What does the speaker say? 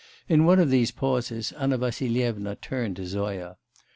In one of these pauses Anna Vassilyevna turned to Zoya.